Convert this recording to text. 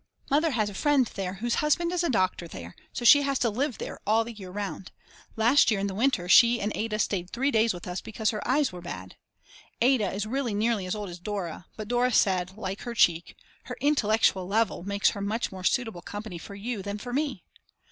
Mother has a friend there whose husband is doctor there, so she has to live there all the year round. Last year in the winter she and Ada stayed three days with us because her eyes were bad. Ada is really nearly as old as Dora, but Dora said, like her cheek: "Her intellectual level makes her much more suitable company for you than for me."